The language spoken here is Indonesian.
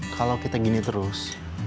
kalau kita gini terus